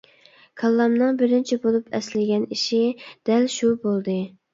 كاللامنىڭ بىرىنچى بولۇپ ئەسلىگەن ئىشى دەل شۇ بولدى.